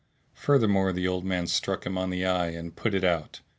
Furthermore, the old man struck him on the eye and put it out.